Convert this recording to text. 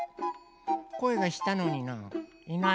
こえがしたのにな。